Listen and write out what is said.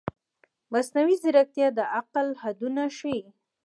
مصنوعي ځیرکتیا د عقل حدونه ښيي.